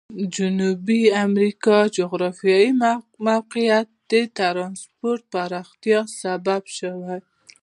جنوبي امریکا جغرافیوي موقعیت د ترانسپورت پراختیا سبب شوی.